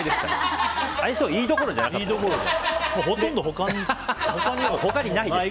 相性いいどころじゃなかったですね。